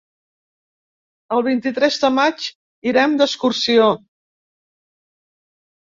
El vint-i-tres de maig irem d'excursió.